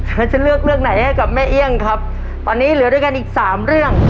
แล้วจะเลือกเรื่องไหนให้กับแม่เอี่ยงครับตอนนี้เหลือด้วยกันอีกสามเรื่อง